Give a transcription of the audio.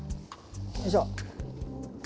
よいしょ。